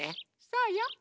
そうよ。